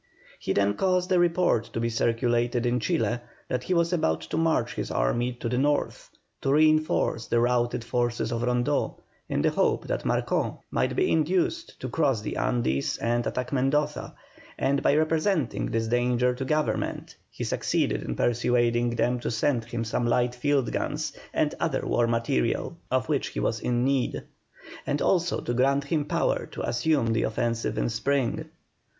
He then caused a report to be circulated in Chile that he was about to march his army to the north, to reinforce the routed forces of Rondeau, in the hope that Marcó might be induced to cross the Andes and attack Mendoza, and by representing this danger to Government, he succeeded in persuading them to send him some light field guns and other war material, of which he was in need; and also to grant him power to assume the offensive in spring.